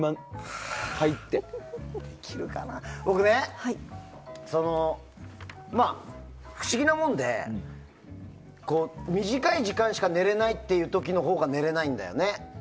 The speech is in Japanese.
僕ね、不思議なもんで短い時間しか寝れない時のほうが寝れないんだよね。